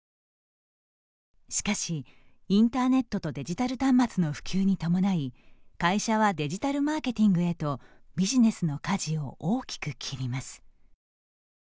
しかし、インターネットとデジタル端末の普及に伴い会社はデジタルマーケティングへとビジネスのかじを大きく切ります。